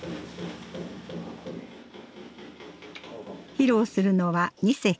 披露するのは２席。